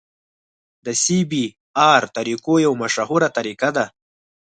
د سی بي ار طریقه یوه مشهوره طریقه ده